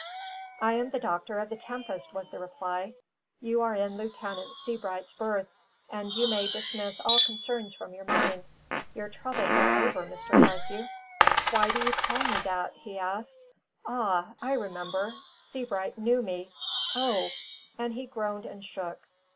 "I am the doctor of the Tempest," was the reply. "You are in Lieutenant Sebright's berth, and you may dismiss all concern from your mind. Your troubles are over, Mr. Carthew." "Why do you call me that?" he asked. "Ah, I remember Sebright knew me! O!" and he groaned and shook.